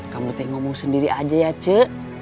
kamu tinggal ngomong sendiri aja ya ce